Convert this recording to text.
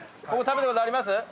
ここ食べたことあります？